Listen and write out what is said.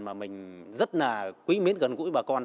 mà mình rất là quý miến gần gũi bà con